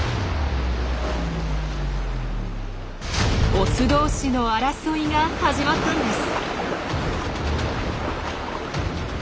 オス同士の争いが始まったんです。